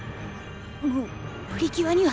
もうプリキュアには。